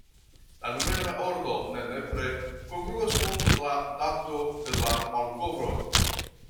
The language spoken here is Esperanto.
La numera ordo ne nepre kongruas kun la dato de la malkovro.